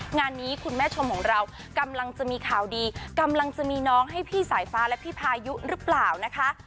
งานนี้คุณแม่ชมของเรากำลังจะมีข่าวดีกำลังจะมีน้องให้พี่สายฟ้าและพี่พายุหรือเปล่านะคะ